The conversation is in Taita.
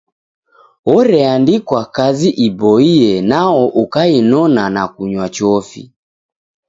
Oreandikwa kazi iboie nao ukainona na kunywa chofi.